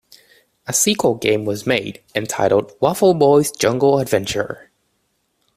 A sequel game was made, entitled "Waffle Boy's Jungle Adventure".